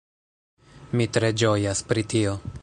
Mi tre ĝojas pri tio